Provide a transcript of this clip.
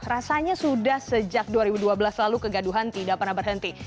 rasanya sudah sejak dua ribu dua belas lalu kegaduhan tidak pernah berhenti